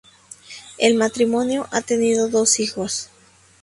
El matrimonio ha tenido dos hijos.